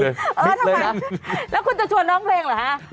เออทำไมละแล้วคุณจะชวนน้องเพลงหรือไฮ